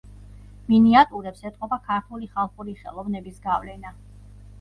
მინიატიურებს ეტყობა ქართული ხალხური ხელოვნების გავლენა.